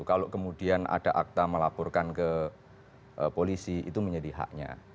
kalau kemudian ada akta melaporkan ke polisi itu menjadi haknya